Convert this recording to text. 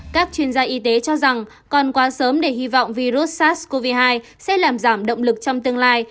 các chuyên gia y tế cho rằng còn quá sớm để hy vọng virus sars cov hai sẽ làm giảm động lực trong tương lai